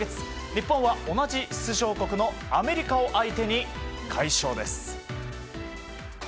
日本は同じ出場国のアメリカを相手に快勝です。